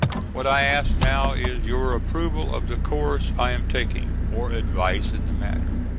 What I ask now is your approval of the course I am taking, or advice in the matter.